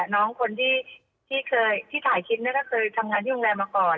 น้องคนที่ถ่ายคลิปก็คือทำงานที่โรงแรมมาก่อน